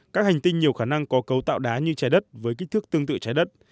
các hành tinh nhiều khả năng có cấu tạo đá như trái đất với kích thước tương tự trái đất